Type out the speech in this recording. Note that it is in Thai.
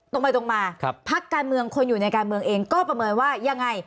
ตรงไปตรงมาพักการเมืองคนอยู่ในการเมืองเองก็ประเมินว่ายังไง